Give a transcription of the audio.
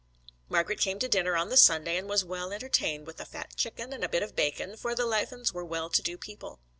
Margret came to dinner on the Sunday, and was well entertained with a fat chicken and a bit of bacon, for the Laffans were well to do people.